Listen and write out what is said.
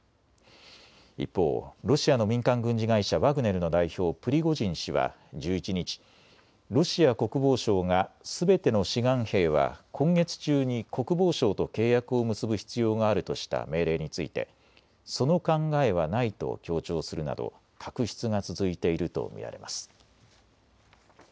一方、ロシアの民間軍事会社ワグネルの代表、プリゴジン氏は１１日、ロシア国防省がすべての志願兵は今月中に国防省と契約を結ぶ必要があるとした命令についてその考えはないと強調するなど確執が続いていると見られます。